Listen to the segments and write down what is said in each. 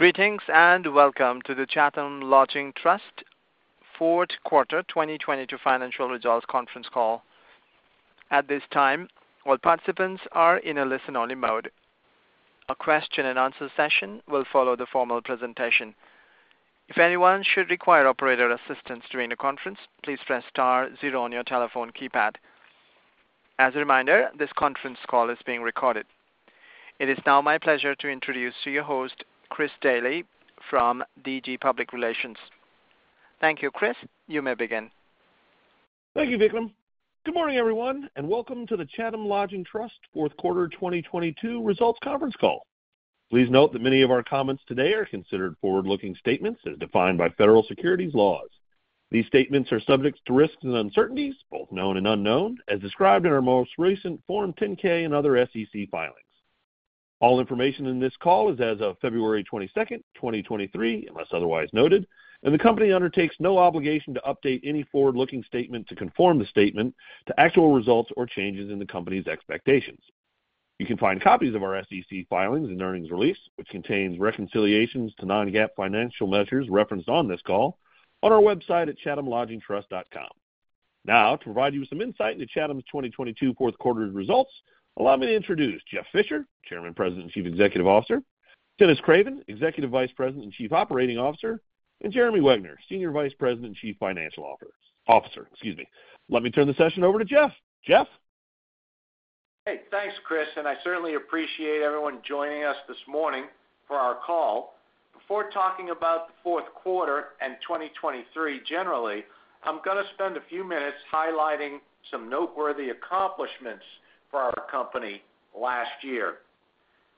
Greetings, and welcome to the Chatham Lodging Trust Fourth Quarter 2022 Financial Results Conference Call. At this time, all participants are in a listen-only mode. A question-and-answer session will follow the formal presentation. If anyone should require operator assistance during the conference, please press star zero on your telephone keypad. As a reminder, this conference call is being recorded. It is now my pleasure to introduce to you host, Chris Daly from Daly Gray Public Relations. Thank you, Chris. You may begin. Thank you, Vikram. Good morning, everyone, and welcome to the Chatham Lodging Trust fourth quarter 2022 results conference call. Please note that many of our comments today are considered forward-looking statements as defined by federal securities laws. These statements are subject to risks and uncertainties, both known and unknown, as described in our most recent Form 10-K and other SEC filings. All information in this call is as of February 22, 2023, unless otherwise noted, and the company undertakes no obligation to update any forward-looking statement to conform the statement to actual results or changes in the company's expectations. You can find copies of our SEC filings and earnings release, which contains reconciliations to non-GAAP financial measures referenced on this call, on our website at chathamlodgingtrust.com. To provide you with some insight into Chatham's 2022 fourth quarter results, allow me to introduce Jeff Fisher, Chairman, President, and Chief Executive Officer, Dennis Craven, Executive Vice President and Chief Operating Officer, and Jeremy Wegner, Senior Vice President and Chief Financial Officer, excuse me. Let me turn the session over to Jeff. Jeff? Thanks, Chris, I certainly appreciate everyone joining us this morning for our call. Before talking about the fourth quarter and 2023 generally, I'm gonna spend a few minutes highlighting some noteworthy accomplishments for our company last year.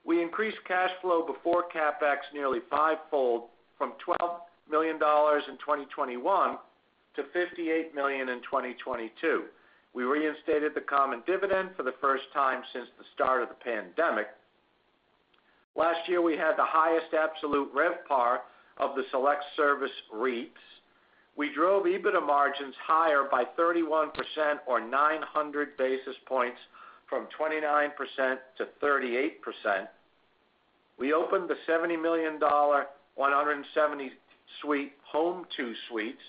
We increased cash flow before CapEx nearly five-fold, from $12 million in 2021 to $58 million in 2022. We reinstated the common dividend for the first time since the start of the pandemic. Last year, we had the highest absolute RevPAR of the select service REITs. We drove EBITDA margins higher by 31% or 900 basis points from 29% to 38%. We opened the $70 million 170 suite Home2 Suites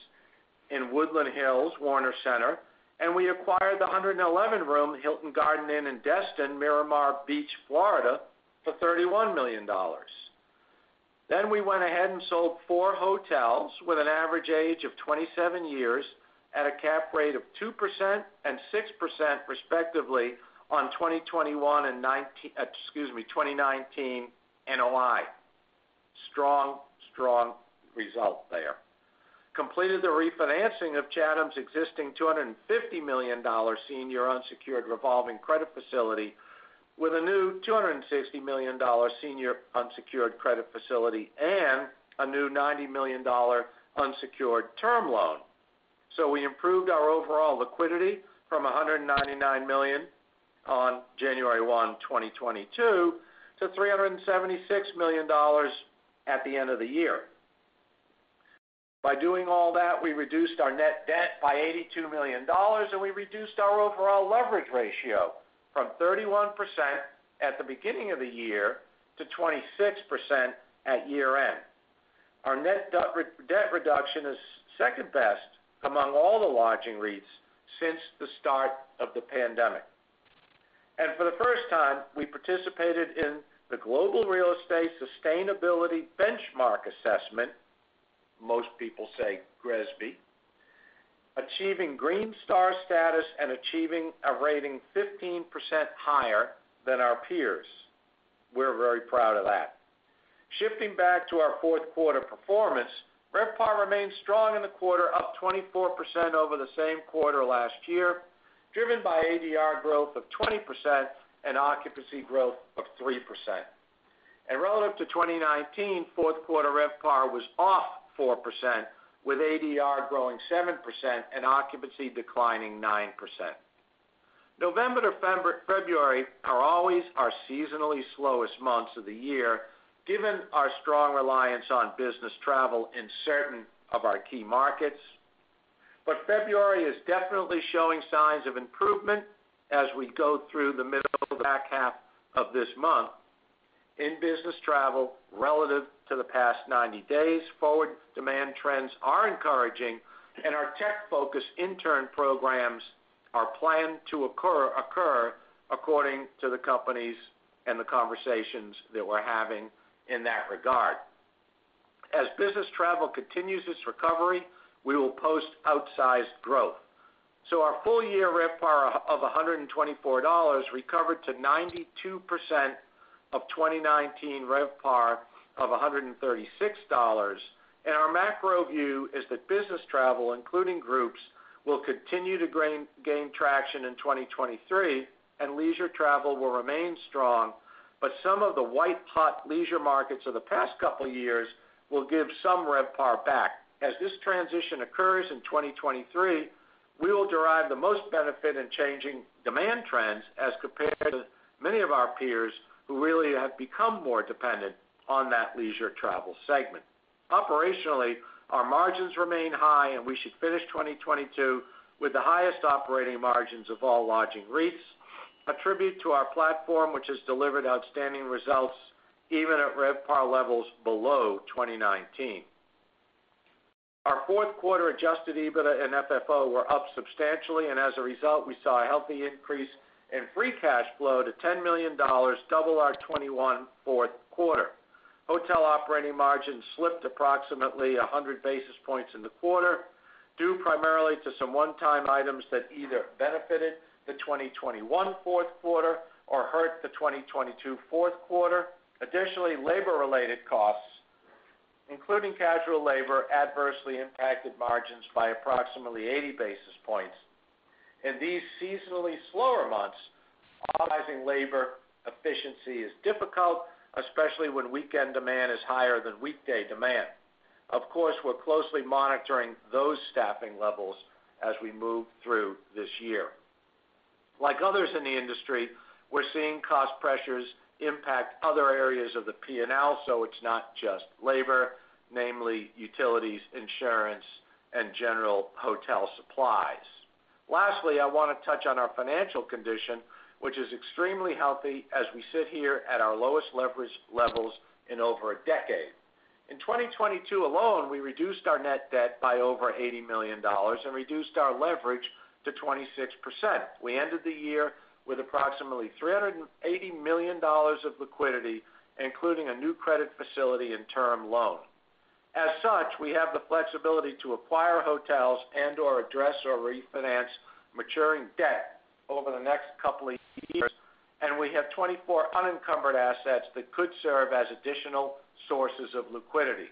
in Woodland Hills, Warner Center, we acquired the 111 room Hilton Garden Inn in Destin, Miramar Beach, Florida for $31 million. We went ahead and sold four hotels with an average age of 27 years at a cap rate of 2% and 6% respectively on 2021 and 19, excuse me, 2019 NOI. Strong result there. Completed the refinancing of Chatham's existing $250 million senior unsecured revolving credit facility with a new $260 million senior unsecured credit facility and a new $90 million unsecured term loan. We improved our overall liquidity from $199 million on January 1, 2022, to $376 million at the end of the year. By doing all that, we reduced our net debt by $82 million, and we reduced our overall leverage ratio from 31% at the beginning of the year to 26% at year-end. Our net debt reduction is second best among all the lodging REITs since the start of the pandemic. For the first time, we participated in the Global Real Estate Sustainability Benchmark Assessment, most people say GRESB, achieving Green Star status and achieving a rating 15% higher than our peers. We're very proud of that. Shifting back to our fourth quarter performance, RevPAR remains strong in the quarter, up 24% over the same quarter last year, driven by ADR growth of 20% and occupancy growth of 3%. Relative to 2019, fourth quarter RevPAR was off 4%, with ADR growing 7% and occupancy declining 9%. November to February are always our seasonally slowest months of the year, given our strong reliance on business travel in certain of our key markets. February is definitely showing signs of improvement as we go through the middle back half of this month. In business travel, relative to the past 90 days, forward demand trends are encouraging, and our tech-focused intern programs are planned to occur according to the companies and the conversations that we're having in that regard. As business travel continues its recovery, we will post outsized growth. Our full-year RevPAR of $124 recovered to 92% of 2019 RevPAR of $136. Our macro view is that business travel, including groups, will continue to gain traction in 2023, and leisure travel will remain strong. Some of the white-hot leisure markets of the past couple years will give some RevPAR back. As this transition occurs in 2023, we will derive the most benefit in changing demand trends as compared to many of our peers who really have become more dependent on that leisure travel segment. Operationally, our margins remain high. We should finish 2022 with the highest operating margins of all lodging REITs. A tribute to our platform, which has delivered outstanding results even at RevPAR levels below 2019. Our fourth quarter Adjusted EBITDA and FFO were up substantially. As a result, we saw a healthy increase in free cash flow to $10 million, double our 2021 fourth quarter. Hotel operating margins slipped approximately 100 basis points in the quarter, due primarily to some one-time items that either benefited the 2021 fourth quarter or hurt the 2022 fourth quarter. Additionally, labor-related costs, including casual labor, adversely impacted margins by approximately 80 basis points. In these seasonally slower months, optimizing labor efficiency is difficult, especially when weekend demand is higher than weekday demand. Of course, we're closely monitoring those staffing levels as we move through this year. Like others in the industry, we're seeing cost pressures impact other areas of the P&L, so it's not just labor, namely utilities, insurance, and general hotel supplies. Lastly, I wanna touch on our financial condition, which is extremely healthy as we sit here at our lowest leverage levels in over a decade. In 2022 alone, we reduced our net debt by over $80 million and reduced our leverage to 26%. We ended the year with approximately $380 million of liquidity, including a new credit facility and term loan. As such, we have the flexibility to acquire hotels, and, or address or refinance maturing debt over the next couple of years. We have 24 unencumbered assets that could serve as additional sources of liquidity.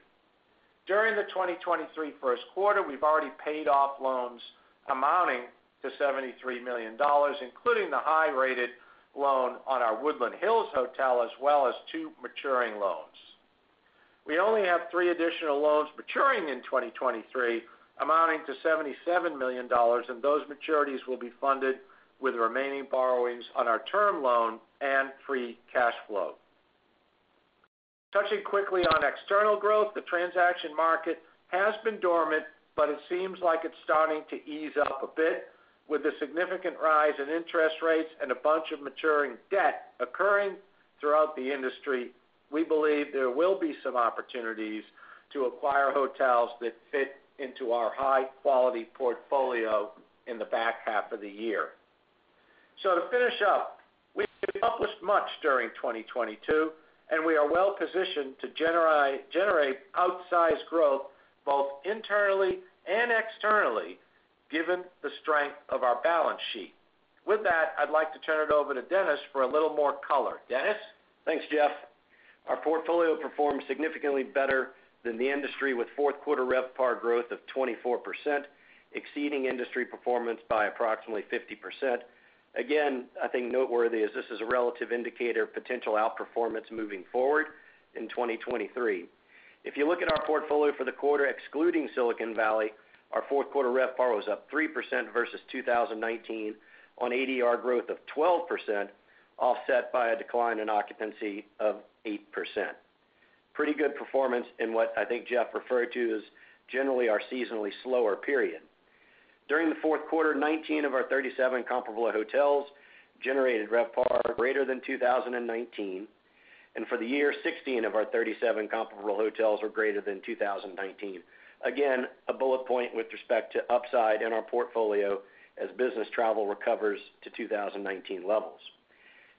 During the 2023 first quarter, we've already paid off loans amounting to $73 million, including the high-rated loan on our Woodland Hills Hotel, as well as two maturing loans. We only have three additional loans maturing in 2023, amounting to $77 million. Those maturities will be funded with remaining borrowings on our term loan and free cash flow. Touching quickly on external growth, the transaction market has been dormant. It seems like it's starting to ease up a bit. With the significant rise in interest rates and a bunch of maturing debt occurring throughout the industry, we believe there will be some opportunities to acquire hotels that fit into our high-quality portfolio in the back half of the year. To finish up, we accomplished much during 2022, and we are well positioned to generate outsized growth both internally and externally given the strength of our balance sheet. With that, I'd like to turn it over to Dennis for a little more color. Dennis? Thanks, Jeff. Our portfolio performed significantly better than the industry, with fourth quarter RevPAR growth of 24%, exceeding industry performance by approximately 50%. Again, I think noteworthy is this is a relative indicator of potential outperformance moving forward in 2023. If you look at our portfolio for the quarter, excluding Silicon Valley, our fourth quarter RevPAR was up 3% versus 2019 on ADR growth of 12%, offset by a decline in occupancy of 8%. Pretty good performance in what I think Jeff referred to as generally our seasonally slower period. During the fourth quarter, 19 of our 37 comparable hotels generated RevPAR greater than 2019, and for the year, 16 of our 37 comparable hotels were greater than 2019. A bullet point with respect to upside in our portfolio as business travel recovers to 2019 levels.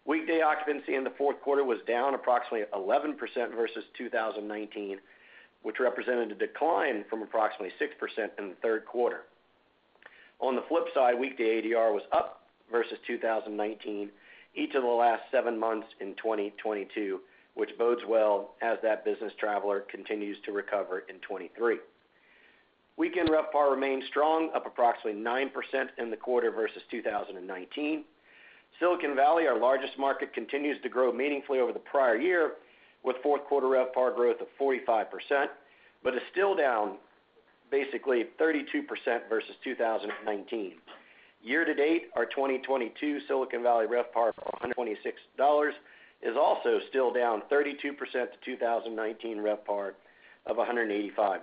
Weekday occupancy in the fourth quarter was down approximately 11% versus 2019, which represented a decline from approximately 6% in the third quarter. On the flip side, weekday ADR was up versus 2019 each of the last seven months in 2022, which bodes well as that business traveler continues to recover in 2023. Weekend RevPAR remained strong, up approximately 9% in the quarter versus 2019. Silicon Valley, our largest market, continues to grow meaningfully over the prior year with fourth quarter RevPAR growth of 45%, but is still down basically 32% versus 2019. Year-to-date, our 2022 Silicon Valley RevPAR of $126 is also still down 32% to 2019 RevPAR of $185.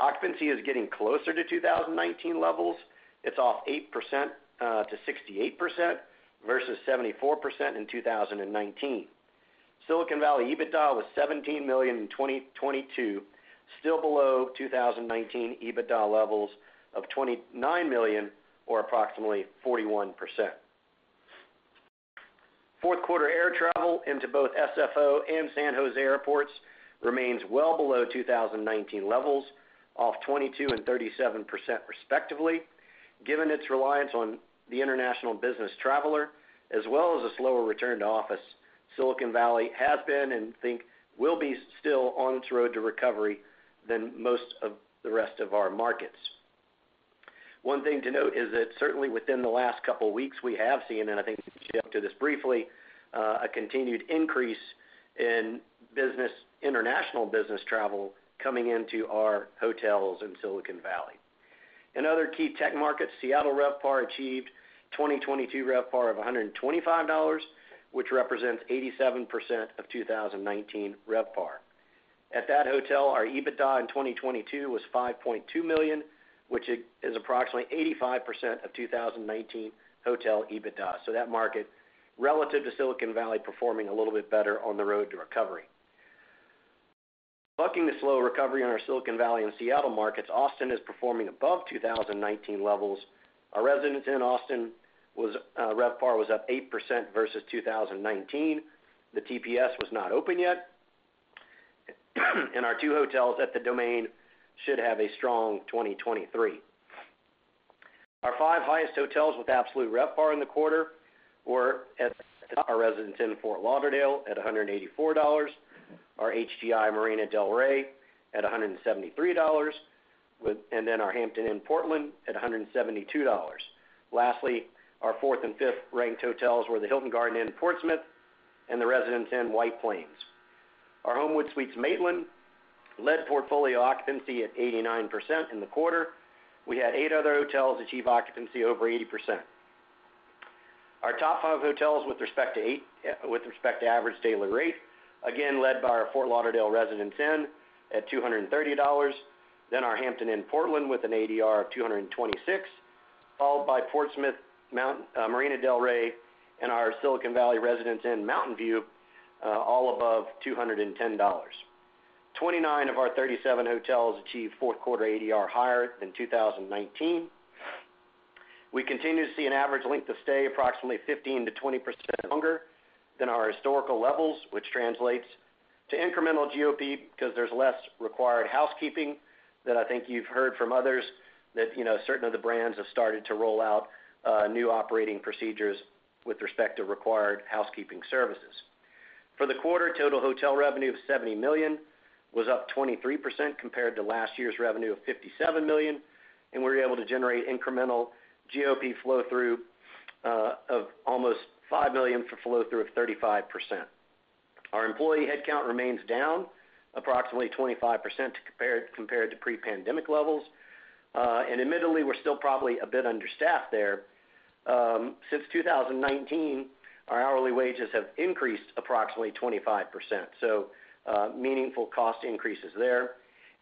Occupancy is getting closer to 2019 levels. It's off 8% to 68% versus 74% in 2019. Silicon Valley EBITDA was $17 million in 2022, still below 2019 EBITDA levels of $29 million or approximately 41%. Fourth quarter air travel into both SFO and San Jose airports remains well below 2019 levels, off 22% and 37% respectively. Given its reliance on the international business traveler as well as a slower return to office, Silicon Valley has been, and think will be still on its road to recovery than most of the rest of our markets. One thing to note is that certainly within the last couple weeks, we have seen, and I think Jeff to this briefly, a continued increase in business international business travel coming into our hotels in Silicon Valley. In other key tech markets, Seattle RevPAR achieved 2022 RevPAR of $125, which represents 87% of 2019 RevPAR. At that hotel, our EBITDA in 2022 was $5.2 million, which is approximately 85% of 2019 hotel EBITDA. That market relative to Silicon Valley performing a little bit better on the road to recovery. Bucking the slow recovery in our Silicon Valley and Seattle markets, Austin is performing above 2019 levels. Our Residence Inn Austin was, RevPAR was up 8% versus 2019. The TPS was not open yet. Our two hotels at The Domain should have a strong 2023. Our 5 highest hotels with absolute RevPAR in the quarter were at our Residence Inn Fort Lauderdale at $184, our HGI Marina del Rey at $173, and then our Hampton Inn Portland at $172. Lastly, our 4th and 5th ranked hotels were the Hilton Garden Inn Portsmouth and the Residence Inn White Plains. Our Homewood Suites Maitland led portfolio occupancy at 89% in the quarter. We had eight other hotels achieve occupancy over 80%. Our top five hotels with respect to average daily rate, again led by our Residence Inn Fort Lauderdale at $230, then our Hampton Inn Portland with an ADR of $226, followed by Portsmouth, Marina del Rey, and our Silicon Valley Residence Inn Mountain View, all above $210. 29 of our 37 hotels achieved fourth quarter ADR higher than 2019. We continue to see an average length of stay approximately 15%-20% longer than our historical levels, which translates to incremental GOP, because there's less required housekeeping that I think you know, certain of the brands have started to roll out new operating procedures with respect to required housekeeping services. For the quarter, total hotel revenue of $70 million was up 23% compared to last year's revenue of $57 million, and we were able to generate incremental GOP flow-through of almost $5 million for flow-through of 35%. Our employee headcount remains down approximately 25% compared to pre-pandemic levels. Admittedly, we're still probably a bit understaffed there. Since 2019, our hourly wages have increased approximately 25%, so meaningful cost increases there.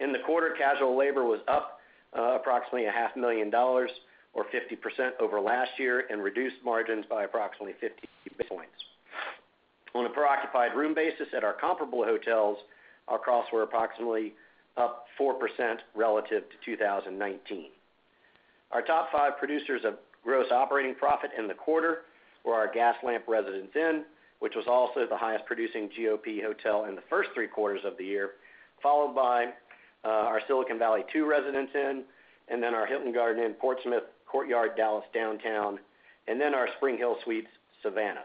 In the quarter, casual labor was up approximately a half million dollars or 50% over last year and reduced margins by approximately 50 basis points. On a per occupied room basis at our comparable hotels, our costs were approximately up 4% relative to 2019. Our top 5 producers of gross operating profit in the quarter were our Gaslamp Residence Inn, which was also the highest producing GOP hotel in the first three quarters of the year, followed by our Silicon Valley Two Residence Inn, and then our Hilton Garden Inn Portsmouth, Courtyard Dallas Downtown, and then our SpringHill Suites Savannah.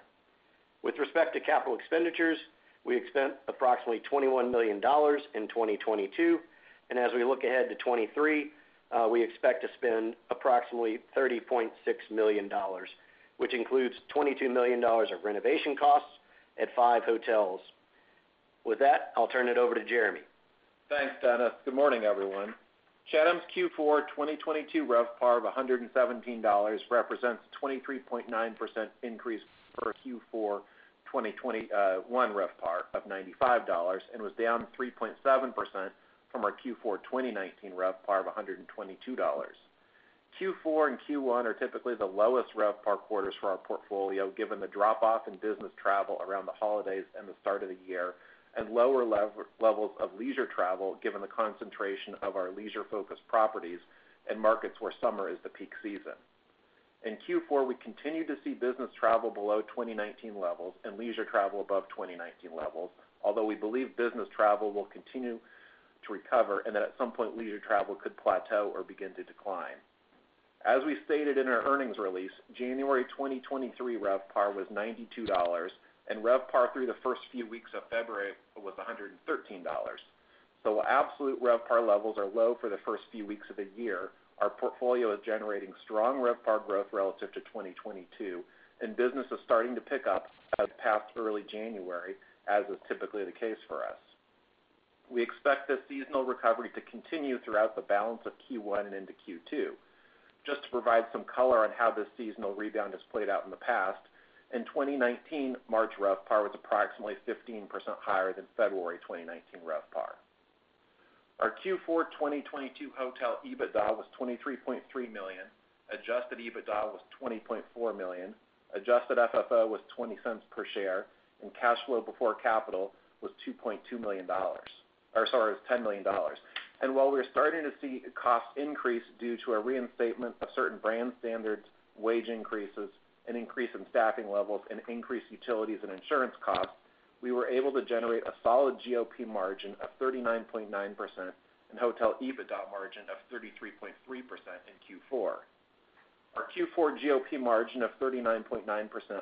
With respect to capital expenditures, we spent approximately $21 million in 2022, and as we look ahead to 2023, we expect to spend approximately $30.6 million, which includes $22 million of renovation costs at five hotels. With that, I'll turn it over to Jeremy. Thanks, Dennis. Good morning, everyone. Chatham's Q4 2022 RevPAR of $117 represents 23.9% increase for Q4 2021 RevPAR of $95 and was down 3.7% from our Q4 2019 RevPAR of $122. Q4 and Q1 are typically the lowest RevPAR quarters for our portfolio, given the drop-off in business travel around the holidays and the start of the year, and lower levels of leisure travel, given the concentration of our leisure-focused properties and markets where summer is the peak season. In Q4, we continued to see business travel below 2019 levels and leisure travel above 2019 levels, although we believe business travel will continue to recover and that at some point, leisure travel could plateau or begin to decline. As we stated in our earnings release, January 2023 RevPAR was $92, and RevPAR through the first few weeks of February was $113. While absolute RevPAR levels are low for the first few weeks of the year, our portfolio is generating strong RevPAR growth relative to 2022, and business is starting to pick up as past early January, as is typically the case for us. We expect this seasonal recovery to continue throughout the balance of Q1 and into Q2. Just to provide some color on how this seasonal rebound has played out in the past, in 2019, March RevPAR was approximately 15% higher than February 2019 RevPAR. Our Q4 2022 hotel EBITDA was $23.3 million. Adjusted EBITDA was $20.4 million. Adjusted FFO was $0.20 per share, and cash flow before capital was $2.2 million, or sorry, was $10 million. While we are starting to see a cost increase due to a reinstatement of certain brand standards, wage increases, an increase in staffing levels, and increased utilities and insurance costs, we were able to generate a solid GOP margin of 39.9% and hotel EBITDA margin of 33.3% in Q4. Our Q4 GOP margin of 39.9%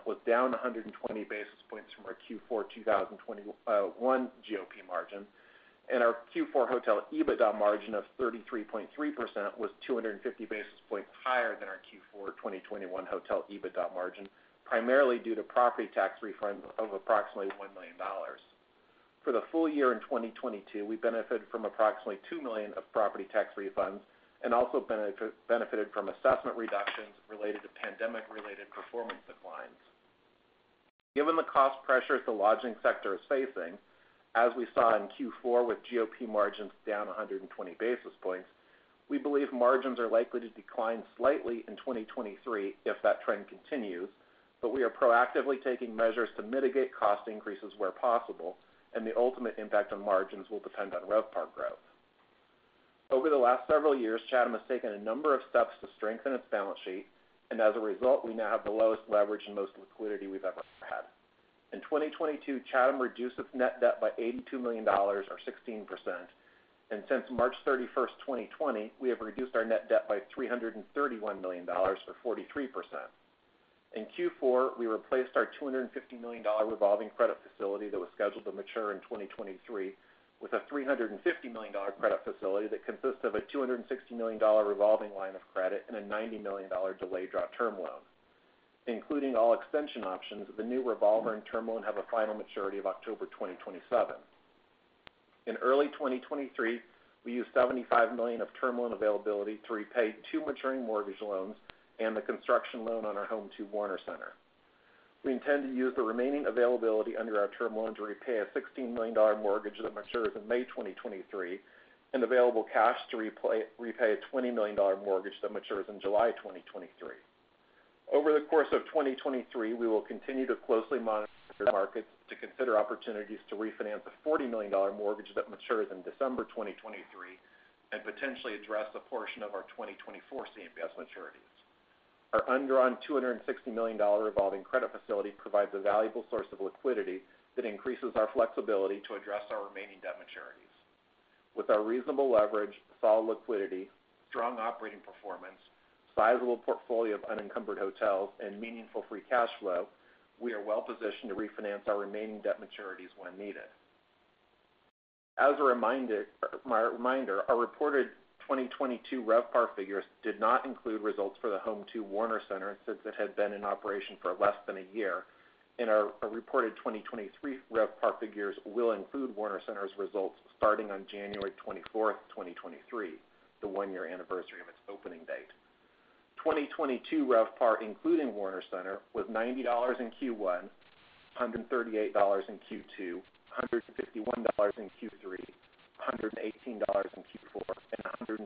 was down 120 basis points from our Q4 2021 GOP margin, and our Q4 hotel EBITDA margin of 33.3% was 250 basis points higher than our Q4 2021 hotel EBITDA margin, primarily due to property tax refund of approximately $1 million. For the full year in 2022, we benefited from approximately $2 million of property tax refunds and also benefited from assessment reductions related to pandemic-related performance declines. Given the cost pressures the lodging sector is facing, as we saw in Q4 with GOP margins down 120 basis points, we believe margins are likely to decline slightly in 2023 if that trend continues. We are proactively taking measures to mitigate cost increases where possible, and the ultimate impact on margins will depend on RevPAR growth. Over the last several years, Chatham has taken a number of steps to strengthen its balance sheet, and as a result, we now have the lowest leverage and most liquidity we've ever had. In 2022, Chatham reduced its net debt by $82 million or 16%. Since March 31st, 2020, we have reduced our net debt by $331 million or 43%. In Q4, we replaced our $250 million revolving credit facility that was scheduled to mature in 2023 with a $350 million credit facility that consists of a $260 million revolving line of credit and a $90 million delay draw term loan. Including all extension options, the new revolver and term loan have a final maturity of October 2027. In early 2023, we used $75 million of term loan availability to repay two maturing mortgage loans and the construction loan on our Home2 Warner Center. We intend to use the remaining availability under our term loan to repay a $16 million mortgage that matures in May 2023, and available cash to repay a $20 million mortgage that matures in July 2023. Over the course of 2023, we will continue to closely monitor markets to consider opportunities to refinance a $40 million mortgage that matures in December 2023, and potentially address a portion of our 2024 CMBS maturities. Our undrawn $260 million revolving credit facility provides a valuable source of liquidity that increases our flexibility to address our remaining debt maturities. With our reasonable leverage, solid liquidity, strong operating performance, sizable portfolio of unencumbered hotels, and meaningful free cash flow, we are well positioned to refinance our remaining debt maturities when needed. As a re-reminder, our reported 2022 RevPAR figures did not include results for the Home2 Warner Center since it had been in operation for less than a year, and our reported 2023 RevPAR figures will include Warner Center's results starting on January 24th, 2023, the one-year anniversary of its opening date. 2022 RevPAR, including Warner Center, was $90 in Q1, $138 in Q2, $151 in Q3, $118 in Q4, and $124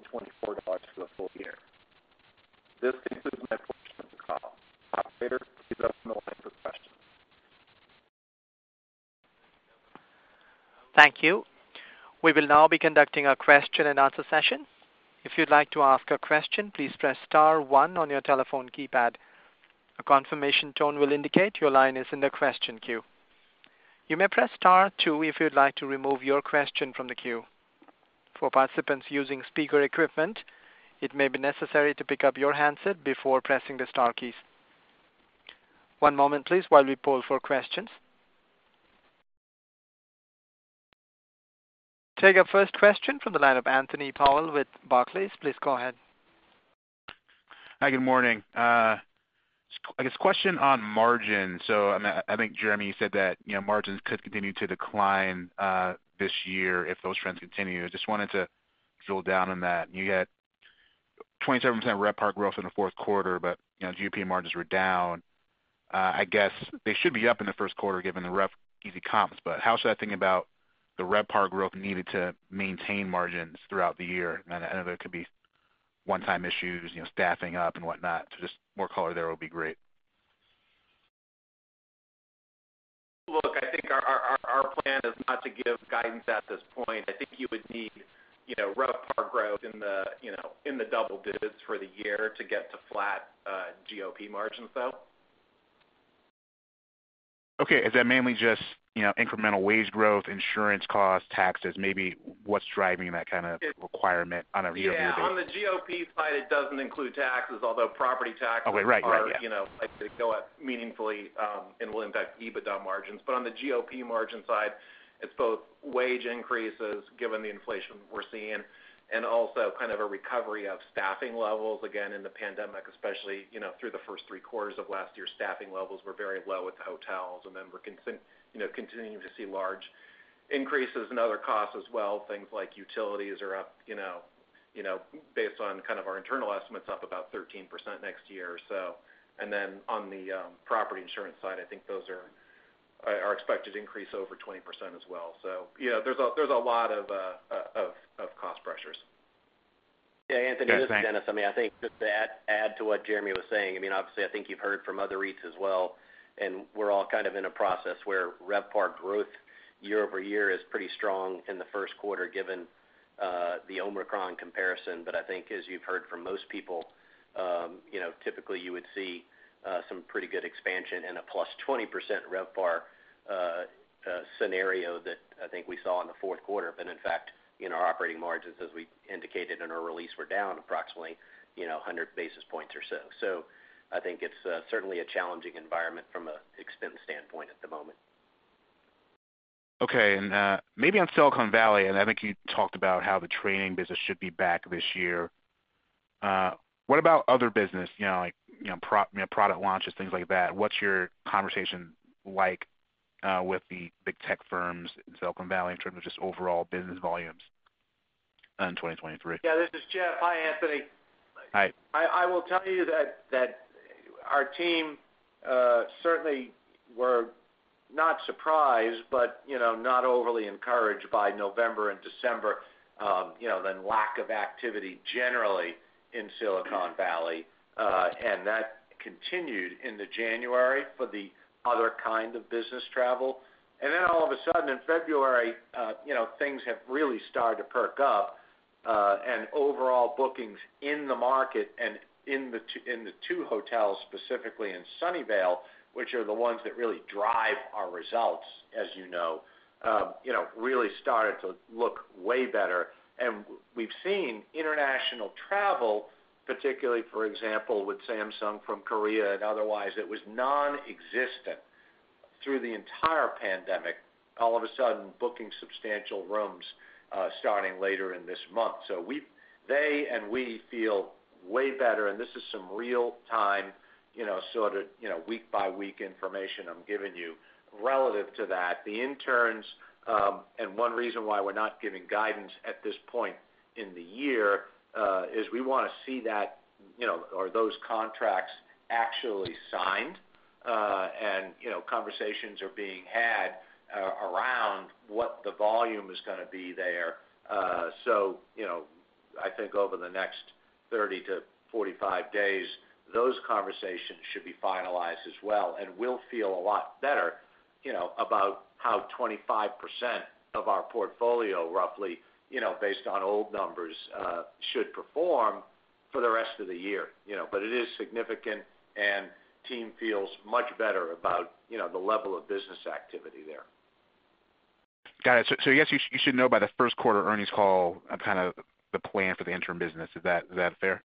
for the full year. This concludes my portion of the call. Operator, please open the line for questions. Thank you. We will now be conducting a question and answer session. If you'd like to ask a question, please press star one on your telephone keypad. A confirmation tone will indicate your line is in the question queue. You may press star two if you'd like to remove your question from the queue. For participants using speaker equipment, it may be necessary to pick up your handset before pressing the star keys. One moment please while we poll for questions. Take our first question from the line of Anthony Powell with Barclays. Please go ahead. Hi, good morning. I guess question on margin. I think, Jeremy, you said that, you know, margins could continue to decline this year if those trends continue. I just wanted to drill down on that. You had 27% RevPAR growth in the fourth quarter, but, you know, GOP margins were down. I guess they should be up in the first quarter given the rough, easy comps, but how should I think about the RevPAR growth needed to maintain margins throughout the year? I know there could be one-time issues, you know, staffing up and whatnot, so just more color there would be great. Look, I think our plan is not to give guidance at this point. I think you would need, you know, RevPAR growth in the, you know, in the double digits for the year to get to flat GOP margins, though. Okay. Is that mainly just, you know, incremental wage growth, insurance costs, taxes, maybe what's driving that kind of requirement on a year-over-year basis? Yeah. On the GOP side, it doesn't include taxes, although property taxes- Okay. Right. Yeah... are, you know, likely to go up meaningfully, and will impact EBITDA margins. On the GOP margin side, it's both wage increases given the inflation we're seeing and also kind of a recovery of staffing levels. Again, in the pandemic, especially, you know, through the first three quarters of last year, staffing levels were very low at the hotels. We're continuing to see large increases in other costs as well. Things like utilities are up, you know, based on kind of our internal estimates, up about 13% next year or so. On the property insurance side, I think those are expected increase over 20% as well. Yeah, there's a lot of cost pressures. Yeah, thanks. Yeah, Anthony, this is Dennis. I mean, I think just to add to what Jeremy was saying, I mean, obviously I think you've heard from other REITs as well, and we're all kind of in a process where RevPAR growth year-over-year is pretty strong in the first quarter given the Omicron comparison. I think as you've heard from most people, you know, typically you would see, some pretty good expansion and a plus 20% RevPAR scenario that I think we saw in the fourth quarter. In fact, you know, our operating margins, as we indicated in our release, were down approximately, you know, 100 basis points or so. I think it's, certainly a challenging environment from an expense standpoint at the moment. Okay. Maybe on Silicon Valley, and I think you talked about how the training business should be back this year. What about other business, you know, like, you know, product launches, things like that? What's your conversation like with the big tech firms in Silicon Valley in terms of just overall business volumes in 2023? Yeah, this is Jeff. Hi, Anthony. Hi. I will tell you that our team certainly were not surprised, but, you know, not overly encouraged by November and December, you know, then lack of activity generally in Silicon Valley. That continued into January for the other kind of business travel. All of a sudden in February, you know, things have really started to perk up, and overall bookings in the market and in the two hotels, specifically in Sunnyvale, which are the ones that really drive our results, as you know, really started to look way better. We've seen international travel, particularly for example, with Samsung from Korea and otherwise, it was nonexistent through the entire pandemic. All of a sudden, booking substantial rooms, starting later in this month. They and we feel way better, and this is some real time, you know, sort of, you know, week by week information I'm giving you relative to that. The interns, and one reason why we're not giving guidance at this point in the year, is we wanna see that, you know, or those contracts actually signed. And, you know, conversations are being had around what the volume is gonna be there. So, you know, I think over the next 30 days-45 days, those conversations should be finalized as well, and we'll feel a lot better, you know, about how 25% of our portfolio roughly, you know, based on old numbers, should perform for the rest of the year, you know. It is significant, and team feels much better about, you know, the level of business activity there. Got it. I guess you should know by the first quarter earnings call, kind of the plan for the intern business. Is that fair?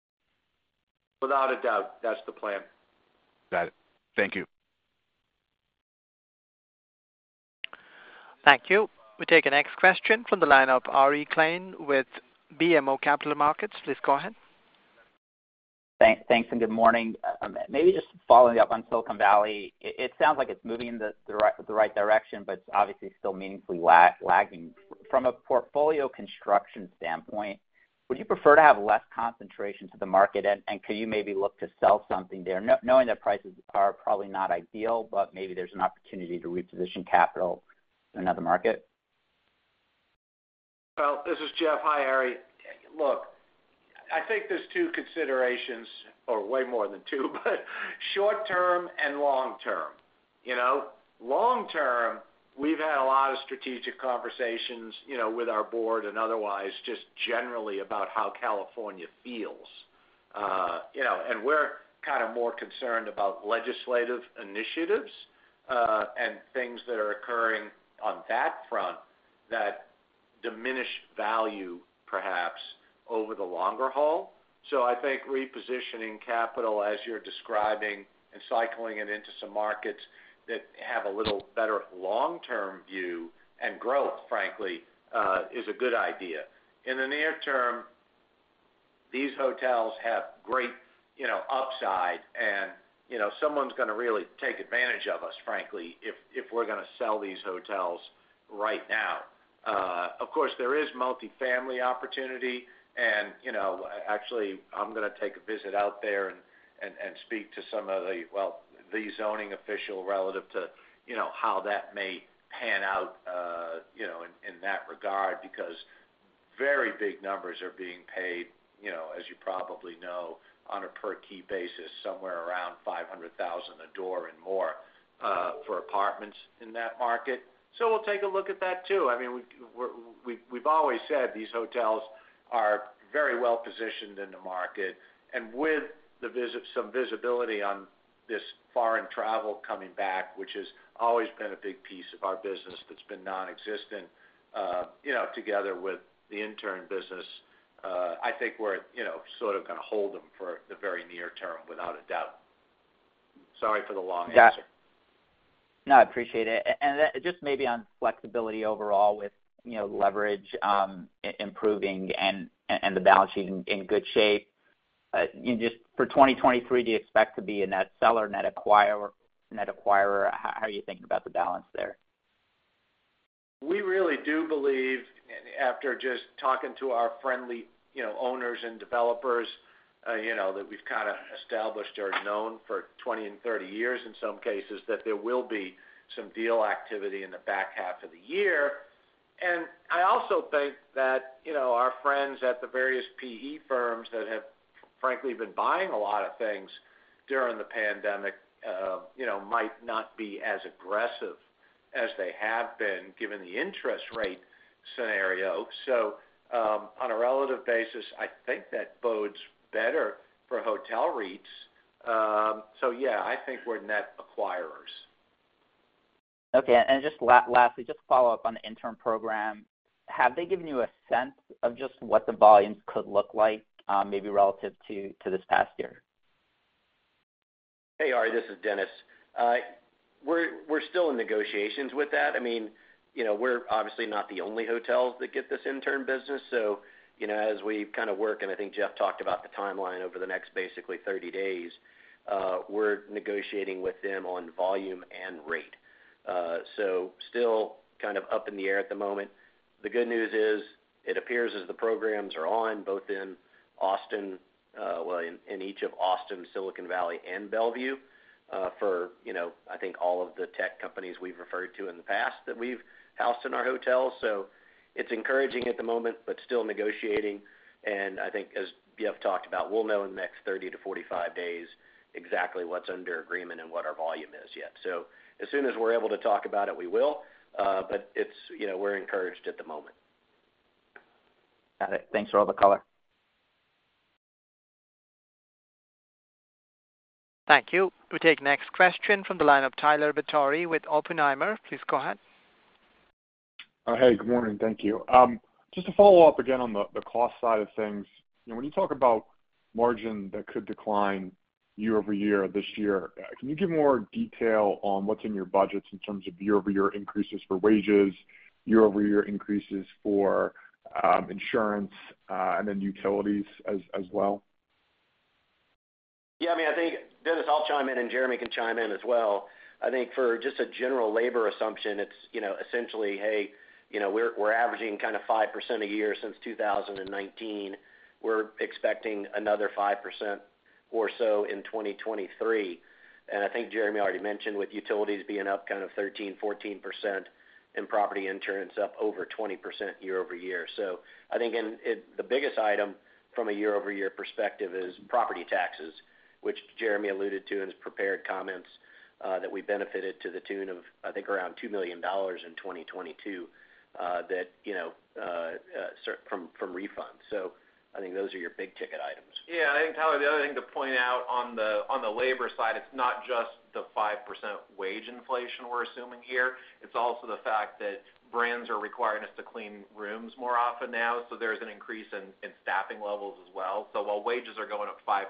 Without a doubt, that's the plan. Got it. Thank you. Thank you. We take the next question from the line of Ari Klein with BMO Capital Markets. Please go ahead. Thanks, good morning. Maybe just following up on Silicon Valley. It sounds like it's moving in the right direction, but it's obviously still meaningfully lagging. From a portfolio construction standpoint, would you prefer to have less concentration to the market? And could you maybe look to sell something there? Knowing that prices are probably not ideal, but maybe there's an opportunity to reposition capital in another market. Well, this is Jeff. Hi, Ari. Look, I think there's two considerations, or way more than two, but short term and long term. You know, long term, we've had a lot of strategic conversations, you know, with our board and otherwise just generally about how California feels. You know, and we're kind of more concerned about legislative initiatives and things that are occurring on that front that diminish value perhaps over the longer haul. I think repositioning capital as you're describing and cycling it into some markets that have a little better long-term view and growth, frankly, is a good idea. In the near term, these hotels have great, you know, upside and, you know, someone's gonna really take advantage of us, frankly, if we're gonna sell these hotels right now. Of course, there is multifamily opportunity and, you know, actually, I'm gonna take a visit out there and speak to the zoning official relative to, you know, how that may pan out, you know, in that regard because very big numbers are being paid, you know, as you probably know, on a per key basis, somewhere around $0.5 million a door and more for apartments in that market. We'll take a look at that too. I mean, we've always said these hotels are very well positioned in the market. With some visibility on this foreign travel coming back, which has always been a big piece of our business that's been nonexistent, you know, together with the intern business, I think we're, you know, sort of gonna hold them for the very near term without a doubt. Sorry for the long answer. No, I appreciate it. And just maybe on flexibility overall with, you know, leverage, improving and the balance sheet in good shape. Just for 2023, do you expect to be a net seller, net acquirer? How are you thinking about the balance there? We really do believe, and after just talking to our friendly, you know, owners and developers, you know, that we've kind of established or known for 20 years and 30 years in some cases, that there will be some deal activity in the back half of the year. I also think that, you know, our friends at the various PE firms that have frankly been buying a lot of things during the pandemic, you know, might not be as aggressive as they have been given the interest rate scenario. On a relative basis, I think that bodes better for hotel REITs. Yeah, I think we're net acquirers. Okay. Just lastly, just to follow up on the intern program. Have they given you a sense of just what the volumes could look like, maybe relative to this past year? Hey, Ari, this is Dennis. We're still in negotiations with that. I mean, you know, we're obviously not the only hotels that get this intern business. You know, as we kind of work, and I think Jeff talked about the timeline over the next basically 30 days, we're negotiating with them on volume and rate. Still kind of up in the air at the moment. The good news is it appears as the programs are on, both in Austin, well, in each of Austin, Silicon Valley, and Bellevue, for, you know, I think all of the tech companies we've referred to in the past that we've housed in our hotels. It's encouraging at the moment, but still negotiating, and I think as Jeff talked about, we'll know in the next 30 days-45 days exactly what's under agreement and what our volume is yet. As soon as we're able to talk about it, we will, You know, we're encouraged at the moment. Got it. Thanks for all the color. Thank you. We'll take next question from the line of Tyler Batory with Oppenheimer. Please go ahead. Hey, good morning. Thank you. Just to follow up again on the cost side of things, you know, when you talk about margin that could decline year-over-year this year, can you give more detail on what's in your budgets in terms of year-over-year increases for wages, year-over-year increases for insurance, and then utilities as well? Yeah. I mean, I think, Dennis, I'll chime in, and Jeremy can chime in as well. I think for just a general labor assumption, it's, you know, essentially, hey, you know, we're averaging kind of 5% a year since 2019. We're expecting another 5% or so in 2023. I think Jeremy already mentioned with utilities being up kind of 13%-14% and property insurance up over 20% year-over-year. I think the biggest item from a year-over-year perspective is property taxes, which Jeremy alluded to in his prepared comments, that we benefited to the tune of, I think around $2 million in 2022, that, you know, from refunds. I think those are your big ticket items. Yeah. I think, Tyler, the other thing to point out on the, on the labor side, it's not just the 5% wage inflation we're assuming here, it's also the fact that brands are requiring us to clean rooms more often now, so there's an increase in staffing levels as well. While wages are going up 5%,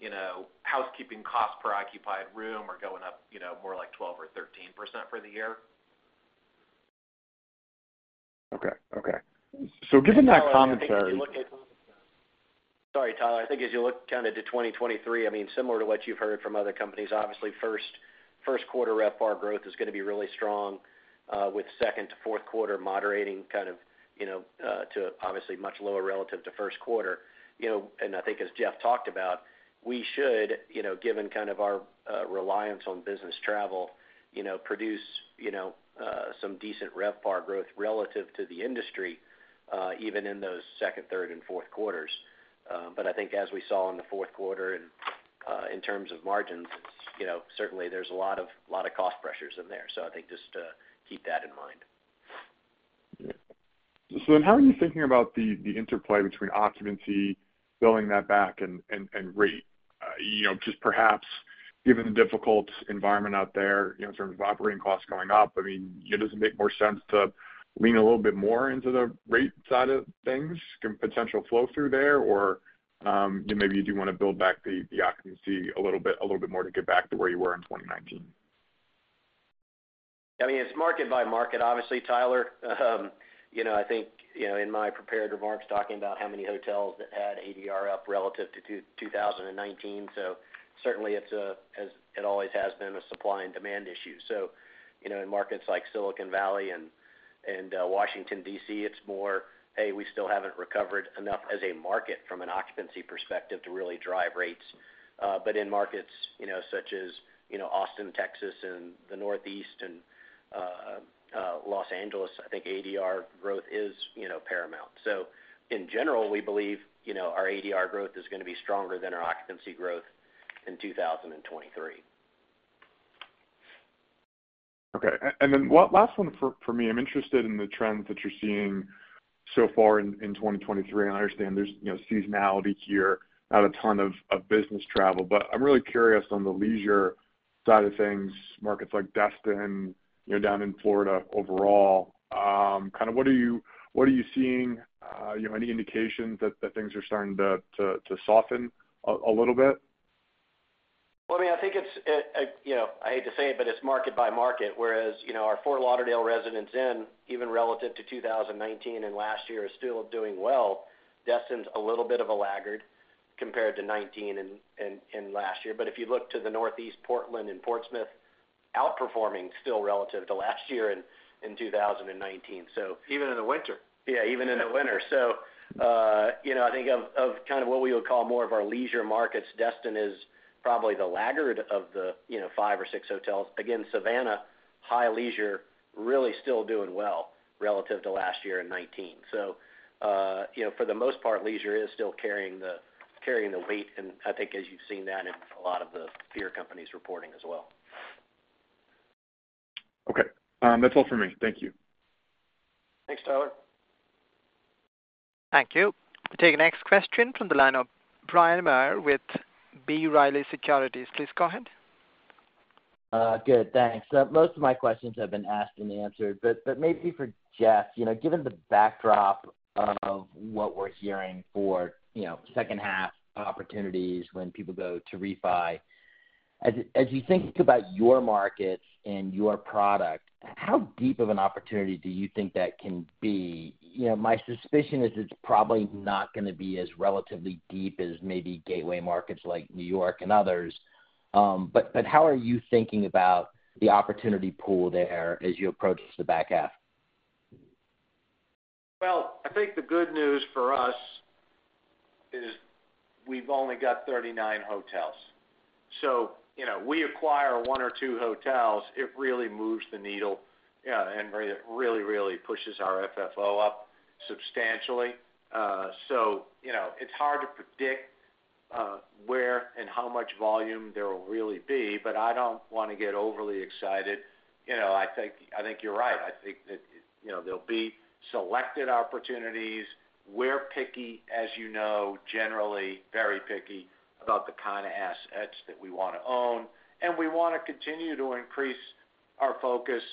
you know, housekeeping costs per occupied room are going up, you know, more like 12% or 13% for the year. Okay. Okay. Given that commentary... Sorry, Tyler. I think as you look kinda to 2023, I mean, similar to what you've heard from other companies, obviously first quarter RevPAR growth is gonna be really strong, with second to fourth quarter moderating kind of, you know, to obviously much lower relative to first quarter. You know, I think as Jeff talked about, we should, you know, given kind of our reliance on business travel, you know, produce, you know, some decent RevPAR growth relative to the industry, even in those second, third, and fourth quarters. I think as we saw in the fourth quarter and in terms of margins, you know, certainly there's a lot of cost pressures in there. I think just keep that in mind. How are you thinking about the interplay between occupancy, building that back, and rate? you know, just perhaps given the difficult environment out there, you know, in terms of operating costs going up, I mean, does it make more sense to lean a little bit more into the rate side of things, can potential flow through there? Maybe you do wanna build back the occupancy a little bit more to get back to where you were in 2019. I mean, it's market by market obviously, Tyler. You know, I think, you know, in my prepared remarks talking about how many hotels that had ADR up relative to 2019, certainly it's a, as it always has been, a supply and demand issue. You know, in markets like Silicon Valley and Washington D.C., it's more, "Hey, we still haven't recovered enough as a market from an occupancy perspective to really drive rates." In markets, you know, such as, you know, Austin, Texas and the Northeast and Los Angeles, I think ADR growth is, you know, paramount. In general, we believe, you know, our ADR growth is gonna be stronger than our occupancy growth in 2023. Then one last one for me. I'm interested in the trends that you're seeing so far in 2023. I understand there's, you know, seasonality here, not a ton of business travel. I'm really curious on the leisure side of things, markets like Destin, you know, down in Florida overall, kind of what are you seeing? You know, any indications that things are starting to soften a little bit? Well, I mean, I think it's, you know, I hate to say it, but it's market by market, whereas, you know, our Fort Lauderdale Residence Inn, even relative to 2019 and last year is still doing well. Destin's a little bit of a laggard compared to 2019 and last year. If you look to the Northeast, Portland and Portsmouth outperforming still relative to last year in 2019. Even in the winter? Yeah, even in the winter. You know, I think of kind of what we would call more of our leisure markets, Destin is probably the laggard of the, you know, 5 hotels or 6 hotels. Again, Savannah, high leisure, really still doing well relative to last year in 2019. You know, for the most part, leisure is still carrying the, carrying the weight, and I think as you've seen that in a lot of the peer companies reporting as well. Okay. That's all for me. Thank you. Thanks, Tyler. Thank you. We'll take next question from the line of Bryan Maher with B. Riley Securities. Please go ahead. Good, thanks. Most of my questions have been asked and answered, but maybe for Jeff, you know, given the backdrop of what we're hearing for, you know, second half opportunities when people go to refi, as you think about your markets and your product. How deep of an opportunity do you think that can be? You know, my suspicion is it's probably not gonna be as relatively deep as maybe gateway markets like New York and others. But how are you thinking about the opportunity pool there as you approach the back half? Well, I think the good news for us is we've only got 39 hotels. You know, we acquire one or two hotels, it really moves the needle, and really pushes our FFO up substantially. You know, it's hard to predict where and how much volume there will really be, but I don't wanna get overly excited. You know, I think you're right. I think that, you know, there'll be selected opportunities. We're picky, as you know, generally very picky about the kinda assets that we wanna own, and we wanna continue to increase our focus,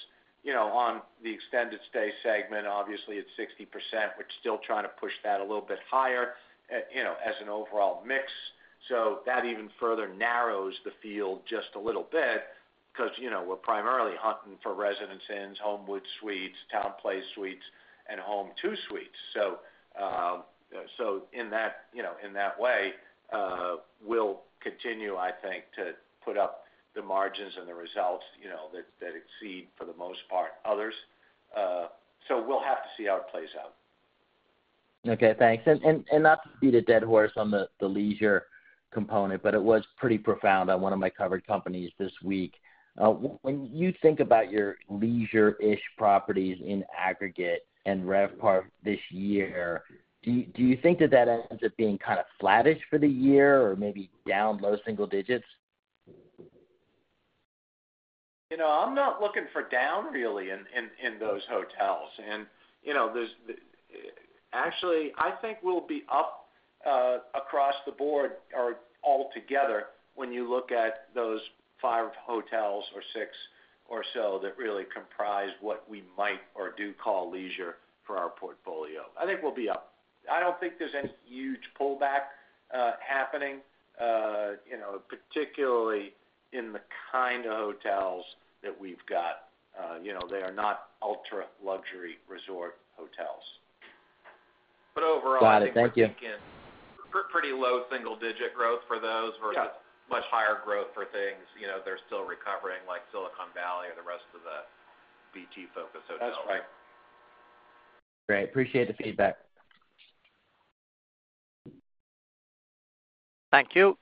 you know, on the extended stay segment. Obviously, it's 60%. We're still trying to push that a little bit higher, you know, as an overall mix. That even further narrows the field just a little bit 'cause, you know, we're primarily hunting for Residence Inn, Homewood Suites, TownePlace Suites and Home2 Suites. In that, you know, in that way, we'll continue, I think to put up the margins and the results, you know, that exceed for the most part, others. We'll have to see how it plays out. Okay, thanks. Not to beat a dead horse on the leisure component, but it was pretty profound on one of my covered companies this week. When you think about your leisure-ish properties in aggregate and RevPAR this year, do you think that ends up being kinda flattish for the year or maybe down low single digits? You know, I'm not looking for down really in, in those hotels. Actually, I think we'll be up across the board or altogether when you look at those five hotels or six or so that really comprise what we might or do call leisure for our portfolio. I think we'll be up. I don't think there's any huge pullback happening, you know, particularly in the kind of hotels that we've got. You know, they are not ultra-luxury resort hotels. overall- Got it. Thank you. We're thinking pretty low single digit growth for those versus much higher growth for things, you know, they're still recovering like Silicon Valley or the rest of the BT-focused hotels. That's right. Great. Appreciate the feedback. Thank you.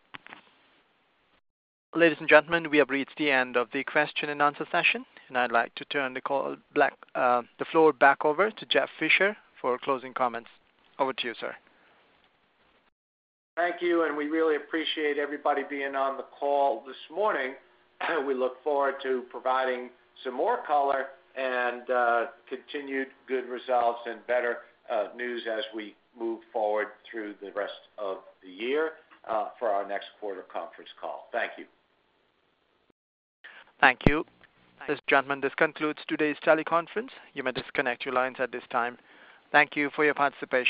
Ladies and gentlemen, we have reached the end of the question and answer session, and I'd like to turn the call back, the floor back over to Jeff Fisher for closing comments. Over to you, sir. Thank you. We really appreciate everybody being on the call this morning. We look forward to providing some more color and continued good results and better news as we move forward through the rest of the year for our next quarter conference call. Thank you. Thank you. Ladies and gentlemen, this concludes today's teleconference. You may disconnect your lines at this time. Thank you for your participation.